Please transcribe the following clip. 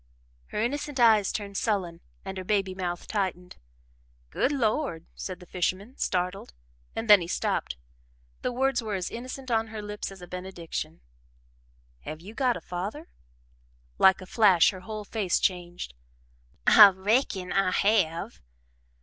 Her innocent eyes turned sullen and her baby mouth tightened. "Good Lord!" said the fisherman, startled, and then he stopped the words were as innocent on her lips as a benediction. "Have you got a father?" Like a flash, her whole face changed. "I reckon I have."